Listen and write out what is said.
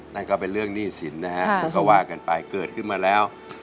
นั่นก็เป็นเรื่องหนี้สินนะฮะก็ว่ากันไปเกิดขึ้นมาแล้ว